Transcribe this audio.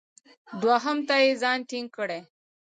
دوهم ته یې ځان ټینګ کړی.